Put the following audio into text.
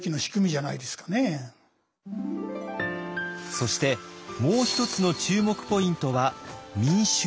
そしてもう一つの注目ポイントは民衆です。